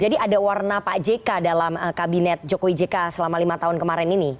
jadi ada warna pak jk dalam kabinet jokowi jk selama lima tahun kemarin ini